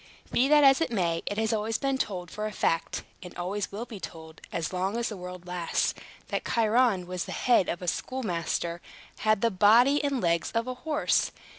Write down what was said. Be that as it may, it has always been told for a fact (and always will be told, as long as the world lasts), that Chiron, with the head of a schoolmaster, had the body and legs of a horse.